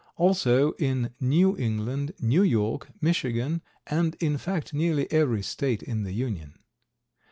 Also in New England, New York, Michigan, and in fact nearly every State in the Union.